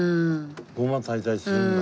護摩焚いたりするんだ。